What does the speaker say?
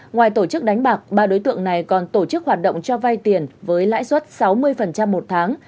ngoài tổ chức đánh bạc ba đối tượng này còn tổ chức hoạt động cho vay tiền với lãi suất sáu mươi một tháng